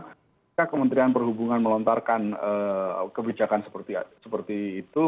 ketika kementerian perhubungan melontarkan kebijakan seperti itu